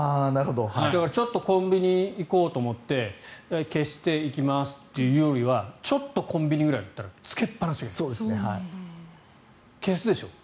だからちょっとコンビニ行こうと思って消して、行きますというよりはちょっとコンビニぐらいだったらつけっぱなしがいい。消すでしょ？